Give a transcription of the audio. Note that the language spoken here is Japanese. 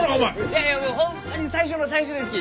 いやいやホンマに最初の最初ですき！